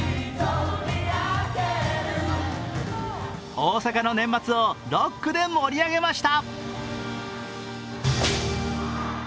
大阪の年末をロックで盛り上げました。